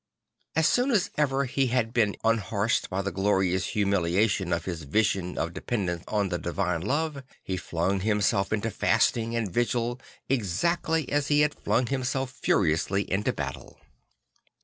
As soon as ever he had been unhorsed by the glorious humiliation of his vision of de pendence on the divine love, he flung himself into fasting and vigil exactly as he had flung himself furiously into battle.